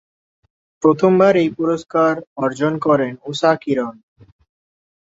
প্রথমবার এই পুরস্কার অর্জন করেন ঊষা কিরণ।